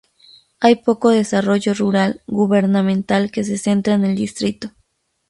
Hay poco desarrollo rural gubernamental que se centra en el distrito.